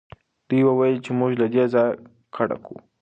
دوی وویل چې موږ له دې ځایه کډه کوو.